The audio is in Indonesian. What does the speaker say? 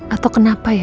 atau kenapa ya